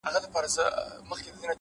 پوه انسان د پوښتنو قدر کوي.!